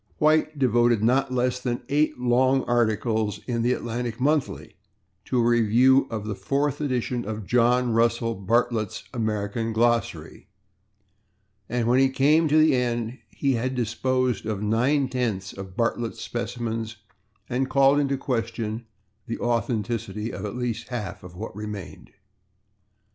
White devoted not less than eight long articles in the /Atlantic Monthly/ to a review of the fourth edition of John [Pg010] Russell Bartlett's American Glossary, and when he came to the end he had disposed of nine tenths of Bartlett's specimens and called into question the authenticity of at least half of what remained.